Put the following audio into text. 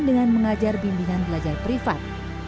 dengan mengajar bimbingan belajar privat